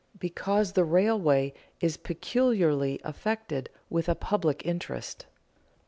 Because the railway is peculiarly "affected with a public interest."